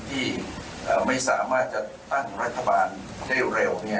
ที่ไม่สามารถจัดตั้งรัฐบาลได้เร็ว